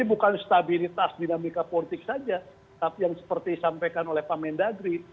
ini bukan stabilitas dinamika politik saja tapi yang seperti disampaikan oleh pak mendagri